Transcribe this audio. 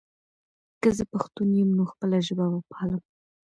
که زه پښتون یم، نو خپله ژبه به پالم.